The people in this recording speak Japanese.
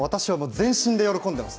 全身で喜んでいます。